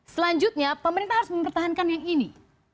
selanjutnya pemerintah harus mempertahankan yang ini